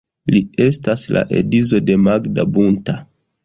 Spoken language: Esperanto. Li estas la edzo de Magda Bunta.